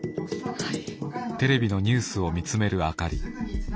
はい。